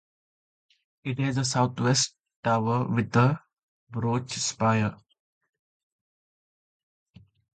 It has a south-west tower with a broach spire.